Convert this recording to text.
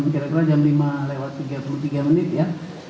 kira kira jam lima lewat tiga puluh tiga menit ya